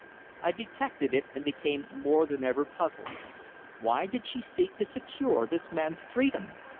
I detected it, and became more than ever puzzled. Why did she seek to secure this man's freedom?